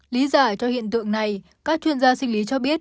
lý giải cho hiện tượng này các chuyên gia sinh lý cho biết